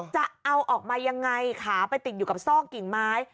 จะเอาออกมายังไงขาไปติดอยู่กับซอกกิ่งไม้